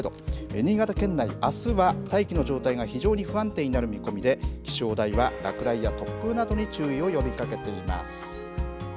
新潟県内、あすは大気の状態が非常に不安定になる見込みで気象台は落雷や突風などに注意を呼びかけています。